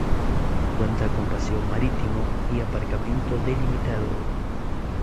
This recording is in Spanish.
Cuenta con paseo marítimo y aparcamiento delimitado.